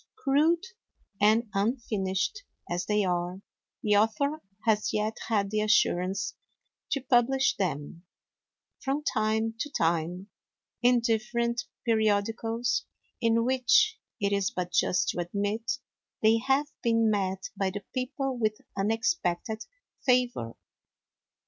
Crude and unfinished as they are, the author has yet had the assurance to publish them, from time to time, in different periodicals, in which, it is but just to admit, they have been met by the people with unexpected favor.